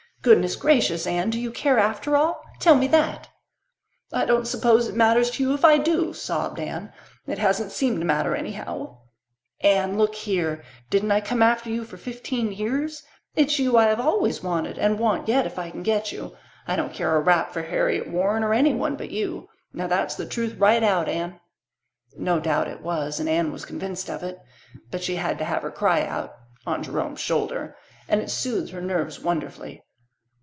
"Goodness gracious, Anne! Do you care after all? Tell me that!" "I don't suppose it matters to you if I do," sobbed Anne. "It hasn't seemed to matter, anyhow." "Anne, look here! Didn't I come after you for fifteen years? It's you I always have wanted and want yet, if I can get you. I don't care a rap for Harriet Warren or anyone but you. Now that's the truth right out, Anne." No doubt it was, and Anne was convinced of it. But she had to have her cry out on Jerome's shoulder and it soothed her nerves wonderfully.